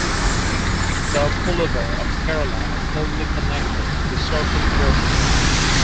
The pulluvar of Kerala are closely connected to the serpent worship.